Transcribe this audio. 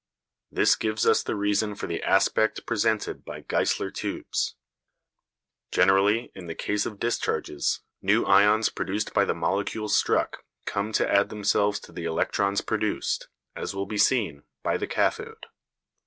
This gives us the reason for the aspect presented by Geissler tubes. Generally, in the case of discharges, new ions produced by the molecules struck come to add themselves to the electrons produced, as will be seen, by the cathode.